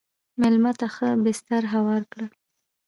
مېلمه ته ښه بستر هوار کړه.